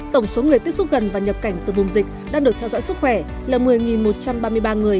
tổng số người tiếp xúc gần và nhập cảnh từ vùng dịch đang được theo dõi sức khỏe là một mươi một trăm ba mươi ba người